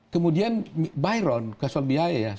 kemudian byron kasual biaya ya